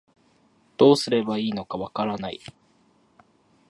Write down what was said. どうすればいいのかわからない